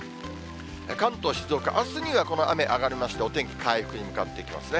関東、静岡、あすにはこの雨上がりまして、お天気回復に向かっていきますね。